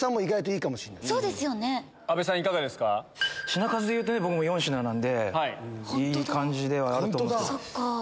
品数でいうと僕も４品なんでいい感じではあると思います。